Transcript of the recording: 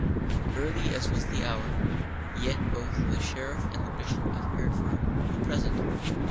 Early as was the hour, yet both the Sheriff and the Bishop of Hereford were present.